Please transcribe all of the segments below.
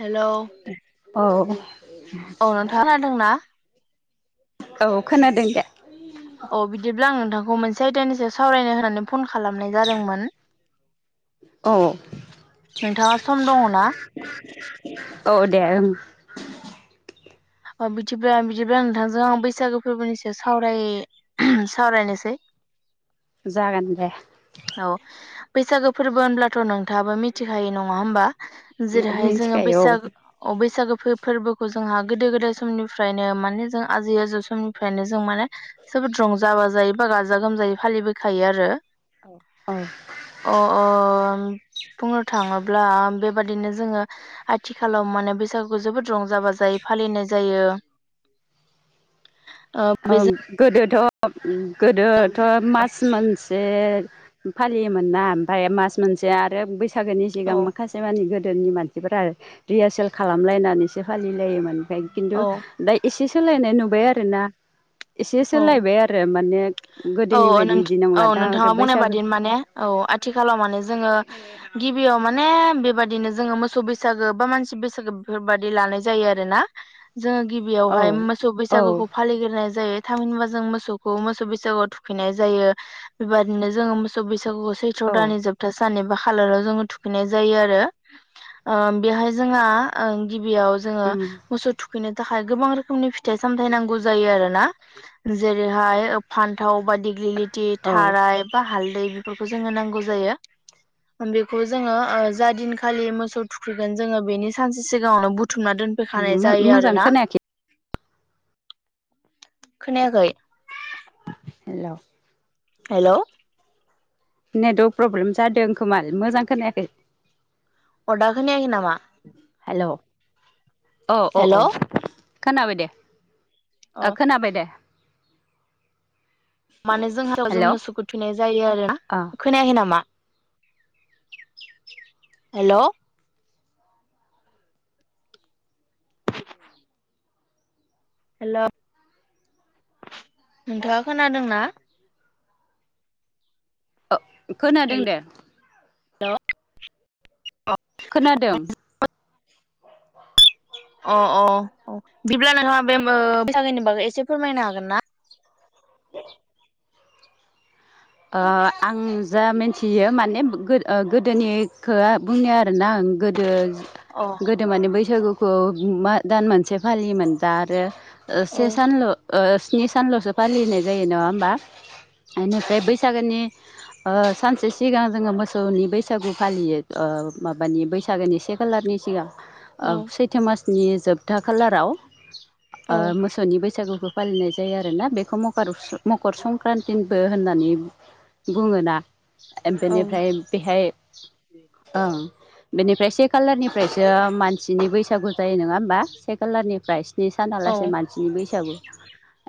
हेल' औ औ नोंथाङ खादोंना औ खोनादों दे अ बिदिब्ला आं नोंथांखौ मोनसे आयदानि सायाव सावरायनो होनानै फन खालामनाय जादोंमोन औ नोंथाङा सम दङ ना औ दे उम अ बिदिब्ला बिदिब्ला नोंथांजों आं बैसागो फोरबोनि सायाव सावराय सावरायनोसै [unintelligible] जागोन दे औ बैसागो फोरबो होनब्लाथ' नोंथाङाबो मिथिखायो नङा होमबा जेरैहाय जोङो मिथिखायो बैसागो अ बैसागो फोरबोखौ जोंहा गोदो गोदाय समनिफ्रायनो माने जों आजै आजौ समनिफ्रायनो जों माने जोबोद रंजा बाजायोबयबा गाजा गोमजायै फालिबोखायो आरो औ अ अ बुंनो थाङोब्ला बेबादिनो जोङो आथिखालाव माने बैसागुखौ जोबोद रंजाबा जायो फालिनाय जायो ओ औ बेजों गोदोथ' उम गोदोथ' मास मोनसे फालियोमोन ना ओमफ्राय मास मोनसे आरो बैसागोनि औ सिगां माखासे मानि गोद गोदोनि मानसिफोरा रिहासोल खालामलायनानैसो फालिलायोमोन फ्राय खिन्थु औ दा एसे सोलायनाय नुबाय आरो ना एसे औ सोलायबाय औ गोदोनि बायदि बिदि औ नंला दा आरो नोंथाङा बुंनाय बैसागो बादि माने औ आथिखालाव माने जोङो गिबियाव माने बेबादिनो जोङो मोसौ बैसागो बा मानसि बैसागो बेफोरबाददि लानाय जायो आरो ना जोङो औ गिबियावहाय मोसौ औ बैसागुखौ फालिग्रोनाय जायो थामहिनबा जों मोसौखौ मोसौ बैसागुआव थुखैनाय जायो बेबायदिनो जोङो मोसौ बैसागुखौ सैथ्र' औ दानानि जोबथा साननि बाह खालाराव जोङो थुखैनाय जायो आरो बेहाय जोंहा गिबियाव जोङो उम मोसौ थुखैनो थाखाय गोबां रोखोमनि फिथाइ सामथायाइ नांगौ जायो आरो ना जेरैहाय फान्थाव बा दिग्लिलिथि औ थाराय बा हालद बेफोरखौ जोङो नांगौ जायो बेखौ जोङो जा दिनखालि मोसौ थुखैगोन जोङो बेनि सानसे सिगाङावनो बुथुम बुथुमना दोनफैखानाय जायो मोजां आरोना खोनायाखै खोनायाखै हेल' हेल नेतवर्क प्रब्लेम जादों खोमा मोजां खोनायाखै अ दा खोनयाखै नामा? अ-अ-अ हेलौ खोनाबाय दे अ ओ खोनाबाय दे। माने जोंहाव जों हेलौ मोसौखौ थुखैनाय जायो आरोना। अ खोनायाखै नामा? हेल हेल नोंथाङा खोनादोंना? ओ खोनादों दे हेल खोनादों अ-अ-अ बिदिब्ला नोंहा बे बैसागोनि बागै एसे फोरमायनो हागोन ना? [inaudible] ओ आं जा मिन्थियो माने गोदोनिखो बुंनो आरोना आं अ औ गोदो-गोदो माने बैसागु खौ दान मोनसे फालियोमोन दा आरो औ से सानल स्नि सानल सो फालिनाय जायो नङा होमबा? बेनिफ्राय बैसाग नि सानसे सिगां जोङो मोसौनि बैसागु फालियो ओ माबानि बैसागोनि। से खालारनि सिगां ओ औ सैथो मासनि जोबथा खालाराव ओ मोसौनि बैसागु फालिनाय जायो आरोना बेखौ मकर - मकर संक्रान्तिबो होननानै- बुङोना बेनिफ्राय बेहाय ओं बेनि बे से खालारनिफ्रायसो मानसिनि बैसागु जायो नङा होमबा? से खालारनिफ्राय स्नि औ सानहालासे मानसिनि बैसागु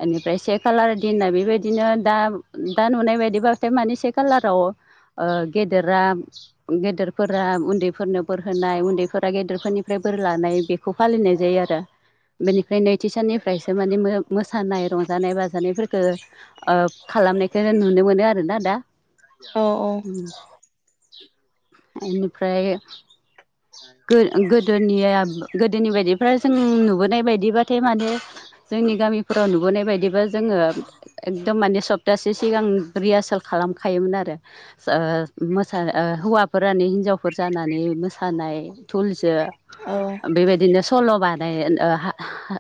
एनिफ्राय ओमफ्राय से खालार दिना बेबायदिनो दा-दा नुनाय बायदिबाथाय माने से खालाराव- ओ गेदेरा गेदेरफोरा उन्दैफोरनो बोर होनाय उन्दैफोरा गेदेरफोरनिफ्राय बोर लानाय बेखौ फालिनाय जायो। आरो बेनि- बे नैथि साननिफ्रायसो माने मोसानाय रंजानाय बाजानायफोरखो ओ खालामनायखौ नुनो मोनो आरोना दा। औ औ ओमनिफ्राय गोदोनिया गोदोनि बायदि ओमफ्राय जों नुबोनाय बायदिबाथाय माने जोंनि गामिफोराव नुबोनाय बायदिबा जोङो एकदम माने सप्तासे सिगां रिहासल खालामखायोमोन आरो ओ मोसा हौवाफोरानो हिनजावफोर जानानै मोसानाय दुलजो औ बेबायदिनो सल बानाय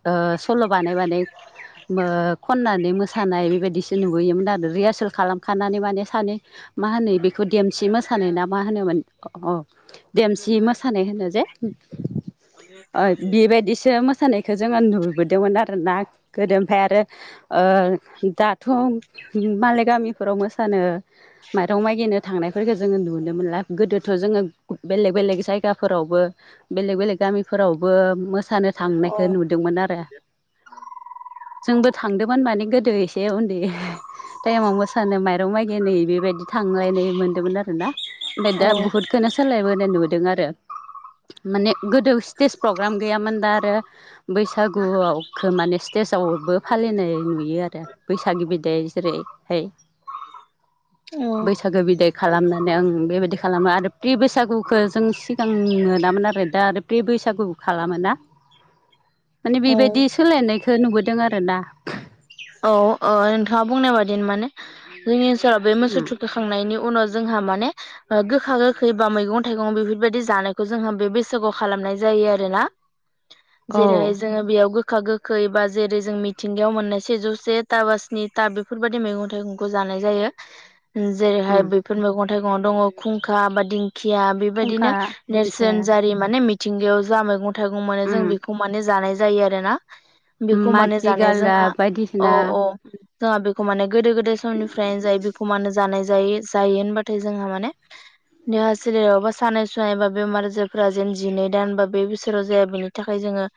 ओ सल बानाय-बानाय खननानै मोसानाय बेबायदिसो नुबोयोमोन आरो रिहारसेल खालामखानानै माने सानै मा होनो बेखौ देमसि मोसानाय ना मा होनोमोन? औ देमसि मोसा- होनो जे बेबायदिसो मोसानाय खौ जोङो नुबोदोंमोन आरो ना गोदो ओमफ्राय आरो दाथ मालाय गामिफोराव मोसानो माइरं मागिनो थांनाय- फोरखौ जोङो नुनो मोनला गोदोथ जोङो बेलेग-बेलेग जायगाफोरावबो बेलेग बेलेग गामिफोरावबो मो- मोसानो थांनायखौ नुदोंमोन आरो जोंबो थांदोंमोन माने गोदो- एसे उन्दै टाइमाव मोसानो माइरं मागिनो नै बेबायदि थांलायनो मोन्दोंमोन आरोना। ओमफाय दा औ बुहुदखौनो सोलायबोनाय नुदों आरो माने गोदो स्टेज प्रग्राम गैयामोन दा आरो बैसागुआवखो माने स्टेजावबो फालिनाय नुयो आरो बैसागि बिदाय जेरैहाय [inaudible] औ बैसागो बिदाय खालामनानै ओं बेबायदि खालामो आरो प्रि बैसागुखो जों सि गां मोनामोन आरो दा बे प्रि बैसागुबो खालामोना। माने औ बेबायदि ओ सोलायनायखौ नुबोदों आरोना। औ ओ नोंथाङा बुंनाय बादि माने जोंनि ओनसोलाव बे मोसौ उम थुखैखांनायनि उनाव जोंहा माने गोखा गोखै बा मैगं थाइगं बेफोरबायदि जानायखौ जोंहा बे बैसागोआव खालामनाय जा आरोना औ जेरै जोङो बेयाव गोखा गोखै बा जेरै जों मिथिंगायाव मोननाय सेजौ से था बा स्नि था बेफोरबायदि मैगं थाइगंखौ जानाय जायो। उम जेरैहाय बेफोर मैगं थाइगङाव दङ' खुंखा बा दिं खिया फुंखा बेबायदिनो दिंखिया नेरसोन जारि माने मिथिंगायाव जा मैगं थाइगं माने जों उम बेखौ माने जानाय जायो आरो ना बेखौ माने माथि जानाया जोंहा गालदाब औ बायदिसिना औ जोंहा बे खौ माने गोदो गोदाय समनिफ्रायनो जायो बेखौ मानो जानाय जायो जायो होनबाथाय जोंहा माने देहा सोलेराव बा सानाय सुनाय बा बेमार आजारफोरा जिनै दान बा बे बोसोराव जाया बेनि थाखाय जों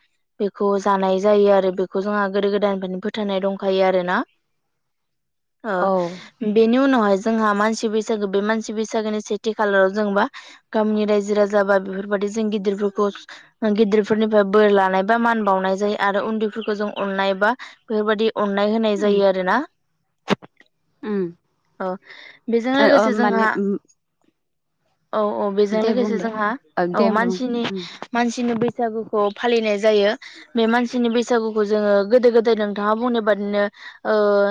बेखौ जानाय जायो आरो बेखौ जोंहा गोदो गोदायनिफ्रायनो फो फोथायनाय दंखायो आरोना। औ बेनि उनावहाय जोंहा मानसि बैसागो बे मानसि बैसागोनि सेथि खालाराव जोंबा गामिनि रायजो राजा बा बेफोरबायदि जों गिदिरफोरखौ गिदिरफोरनिफ्राय बोर लानाय बा मान बावनाय जायो आरो उन्दैफोर खौ जों अननाय बा बेफोरबायदि अननाय होनाय उम जायो आरोना। उम औ बेजों ओ लोगोसे माने जोंहा औ औ बेजों दे बुं लोगोसे दे जोंहा औ दे बुं मानसिनि उम मानसिनि बसागुखौ फालिनाय जायो बे मानसिनि बैसागुखौ जोङो गोदो गोदायनो नोंथाङा बुंनाय बादिनो ओह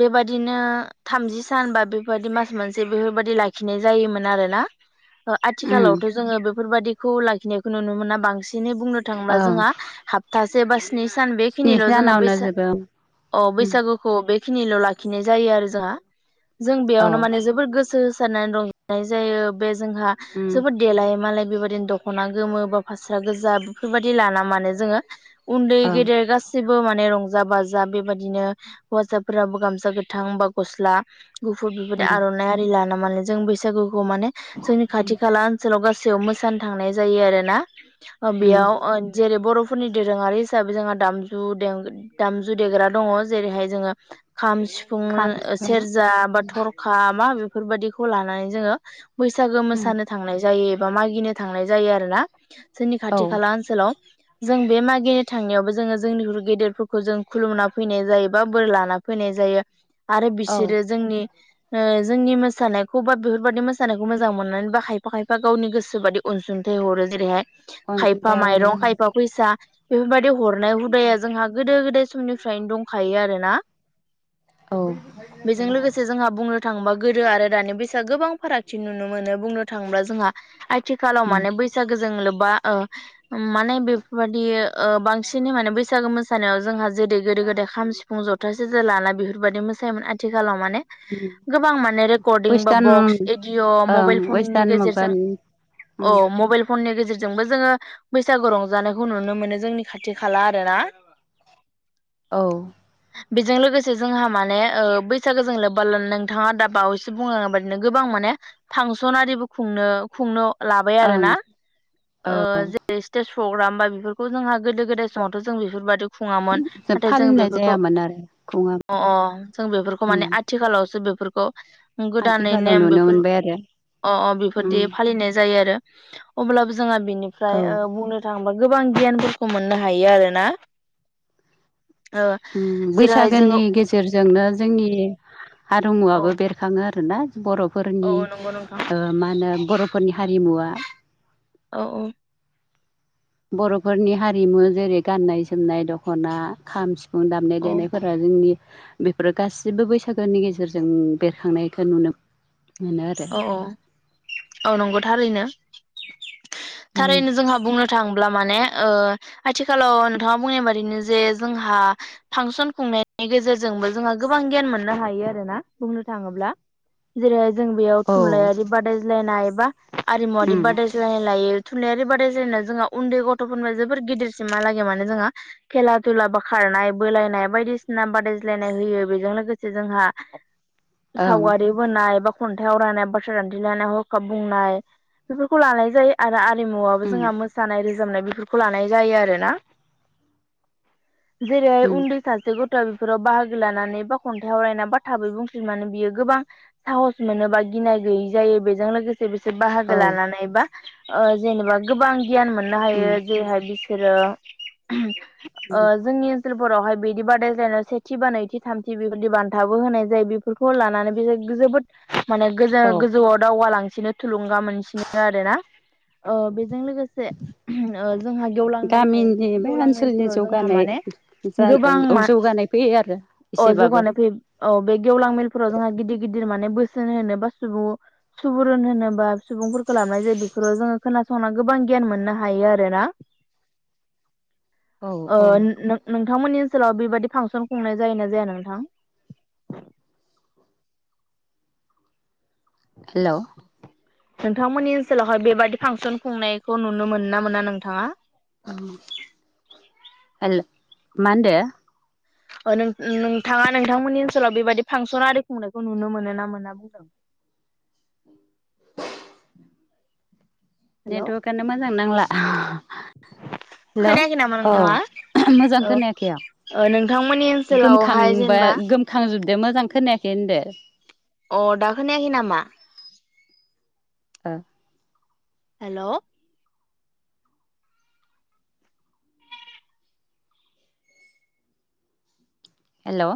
बेबादिनो थामजि सान बा बेफोरबायदि मास मोनसे बेफोरबायदि लाखिनाय जायोमोन आरोना। उम आथिखालावथ' जोङो बेफोरबादिखौ लाखिनायखौ नुनो मोना बांसिनै बुंनो थाङोब्ला ओं जोंहा हापतासे बा स्नि सान स्नि बेखिनिल' जोङो बैस दानावनो जोबो अह उम बैसागुखौ बेखिनिल' लाखिनाय जायो आरो जोंहा। जों औ बेयावनो माने जोबोद गोसो होसारनानै रंजानाय जायो बे जोंहा उम जोबोद देलाय मालाय बेबायदिनो दख'ना गोमो बा फास्रा गोजा बेफोरबायदि लाना माने जोङो उन्दै ओं गेदेर गासिबो माने रं जा बाजा बेबायदिनो हौवासाफोराबो गामसा गोथां बा गस्ला गुफुर बेफोरबायदि उम आर'नाइ आरि लाना माने जों बैसागुखौ माने जोंनि खाथि खाला ओनसोलाव गासै मोसानो थांनाय जायो आरोना उम बेयाव ओ जेरै बर'फोरनि दोरोङारि हिसाबै जोंहा दामजु देम दामजु देग्रा दङ' जेरैहाय जोङो खाम सिफुं खाम सिफुं सेरजा बा थरखा मा बेफोरबायदिखौ लानानै जोङो बैसागो उम मोसानो थांनाय जायो एबा मागिनो थांनाय जायो आरोना। जोंनि औ खाथि खाला ओनसोलाव जों बे मागिनो थांनायावबो जोङो जोंनिख्रुइ गेदेरफोर खौ जों खुलुमना फैनाय जायो बा बोर लाना फैनाय जायो आरो औ बिसोरो जोंनि ओ जोंनि मोसानायखौ बा बेफोरबादि मोसानायखौ मोजां मोननानै बा खायफा खायफा गावनि गोसो बादि अनसुं थाइ हरो जेरैहाय खायफा अनसुंथाइ हरो माइरं खायफा फैसा बेफोरबायदि हरनाय हुदाया जोंहा गोदो गोदाय समनिफ्रायनो दंखायो आरो ना। औ बेजों लोगोसे जोंहा बुंनो थाङोबा गोदो आरो दानि बैसागो गोबां फारागथि नुनो मोनो बुंनो थाङोब्ला जोंहा आथिखालाव उम माने बैसागोजों लोब्बा ओ माने बेफोरबादि ओ बांसिनै माने बैसागो मोस सानायाव जोंहा जेरै गोदो गोदाय खाम, सिफुं, जथा, सेरजा लाना बेफोरबायदि मोसायोमोन आथिखालाव माने उम गोबां माने रेकर्डिं बा वेस्टार्न बक्स एडिअ' ओं मबाइल फननि वेस्टार्न गेजेरजों मुगानि उम अह मबाइल फननि गेजे जेरजोंबो जोङो बैसागु रंजानायखौ नुनो मोनो जोंनि खाथि खाला आरो ना। औ। बेजों लोगोसे जोंहा माने ओ बैसागोजों लोब्बा लानानै नोंथाङा दा बावैसो बुंलांनाय बायदिनो गोबां मा माने फांसनआरिबो खुंनो खुंनो लाबाय औ आरोना ओ जेरै स्टेज प्रग्राम बा बेफोरखौ जोंहा गोदो गोदाय समावथ' जों बेफोरबायदि खुङामोन नाथाय जों फालिनाय बेफोरखौ जायामोन आरो खुङा अ अ जों बेफोरखौ उम माने आथिखालावसो बे फोरखौ गोदानै आथिखालाव नेम नुनो बेफोर मोनबाय आरो अ अ उम बेफोरदि फालिनाय जायो आरो अब्लाबो जोंहा बिनिफ्राय ओ औ बुंनो थाङोबा गोबां गियानफोरखौ मोननो हायो आरो ना ओम जेरैहाय जोङो बैसागोनि गेजेरजोंनो जोंनि औ हारिमुवाबो बेरखाङो आरोना बर'फोरनि औ नंगौ नोंथां मा ओ होनो बर'फोरनि हारिमुवा औ औ बर'फोरनि हारिमु जेरै गाननाय जोमनाय दख'ना खाम सिफुं दामनाय औ देनायफोरा जोंनि बेफोरो गासिबो बैसागोनि गेजेरजों बेरखांनायखौ नुनो मोनो आरो औ औ औ नंगौ थारैनो उम थारैनो जोंहा बुंनो थाङो ब्ला माने आथिखालाव नोंथाङा बुंनाय बादिनो जे जोंहा फांसन खुंनाय गेजेरजोंबो जोंहा गोबां गियान मोननो हायो आरोना बुंनो थाङोब्ला जेरै जों बेयाव औ थुनलाइयारि बादायज्लायनाय एबा आरिमुवारि उम बादायज्लायनाय लायो थुनलाइारि बा जों उन्दै गथ'फोरनो जोबोर गिदिरसिमालागै माने जोंहा खेला दुला बा खारनाय बो- लानाय बायदिसिना बादायज्लायनाय होयो बेजों लोगोसे जोंहा ओं सावगारि बोनाय बा खन्थाइ आवरायनाय बाथ्रा दान्थि लायनाय हरखाब बुंनाय बेफोरखौ लानाय जायो आरो हारिमुवाबो उम जोंहा मोसानाय रोजाबनाय बेफोरखौ लानाय जायो आरोना जेरै उम उन्दै सासे गथ' बेफोराव बाहागो लानानै बा खन्थाइ आवरायना बा थाबै बुंफिन मानो बियो गोबां साहस मोनोबा गिनाय गैयि जायो बेजों लोगोसे बिसोर बाहागो औ लानानै बा ओ जेनेबा गोबां गियान मोननो हायो उम जेरैहाय बिसोरो उम जोंनि ओ ओनसोल फोरावहाय बिदि बादायज्लायनाय सेथि बा नैथि थामथि बेफोरदि बान्थाबो होनाय जायो बेफोरखौ लानानै बे जोबोद माने गोजौ औ गोजौआव दावगालांसिनो थुलुंगा मोनसिनो आरो ना ओ बेजों लोगोसे जोंहा गेवलां मेल थायो बे गामिनि गेवलां ओनसोलनि मेलफोराव जोंहा जौगानाय माने जा गोबां औ मा जौगानाय फैयो आरो औ एसेबाबो जौगानाय फैयो औ बे गेवलां मेलफोराव जोंहा गिदिर गिदिर माने सिन होनो बो सुबुं सुबुरुन होनोबा सुबुंफोरखौ लाबोनाय जायो बेफोराव जोङो खोनासंना गोबां गियान मोननो हायो आरोना औ [inaudible] ओ औ नोंथांमोननि ओनसोलाव बेबायदि फांसन खुंनाय जायोना जाया नोंथां? हेलौ नोंथांमोननि ओनसोलावहाय बेबादि फांसन खुंनायखौ नुनो मोना मोना नोंथाङा हेल मा होनदो नोंथाङा नोंथांमोननि ओनसोलाव बेबदि फांसन आरि खुंनायखौ नुनो मोनो ना मोनना बुंदों [inaudible] हेलौ नेटवारकआनो मोजां नांला [inaudible] हेलौ खोनायाखै नामा नोंथाङा औ मोजां औ खोनायाखै ओ नोंथांमोननि आं ओनसोलावहाय गोमखांबा जेनेबा गोमखांजोबदो मोजां खोनायाखै होनदो अ दाखोनायाखै नामा ओ हेलौ हेलौ